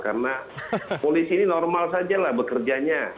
karena polisi ini normal saja lah bekerjanya